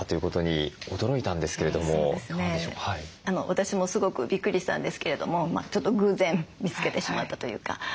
私もすごくびっくりしたんですけれどもちょっと偶然見つけてしまったというか。